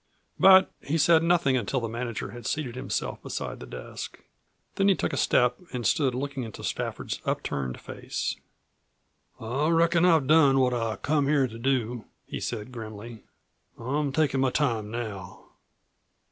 But he said nothing until the manager had seated himself beside the desk. Then he took a step and stood looking into Stafford's upturned face. "I reckon I've done what I came here to do," he said grimly. "I'm takin' my time now."